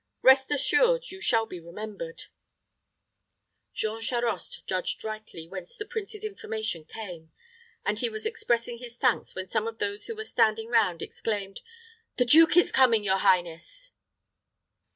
Rest assured you shall be remembered." Jean Charost judged rightly whence the prince's information came; and he was expressing his thanks, when some of those who were standing round exclaimed, "The duke is coming, your highness!"